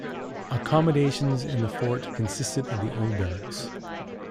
Accommodation in the fort consisted of the old barracks.